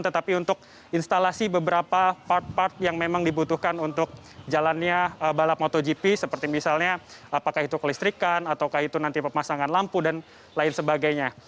tetapi untuk instalasi beberapa part part yang memang dibutuhkan untuk jalannya balap motogp seperti misalnya apakah itu kelistrikan ataukah itu nanti pemasangan lampu dan lain sebagainya